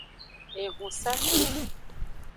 Ehunsafli.